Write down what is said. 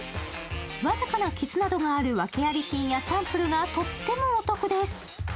僅かな傷などがあるワケあり品やサンプルがとってもお得です。